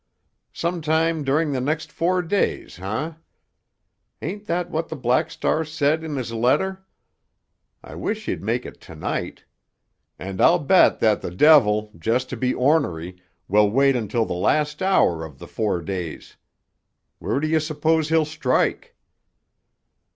Some time during the next four days, eh? Ain't that what the Black Star said in his letter? I wish he'd make it to night. And I'll bet that the devil, just to be ornery, will wait until the last hour of the four days. Where do you suppose he'll strike?"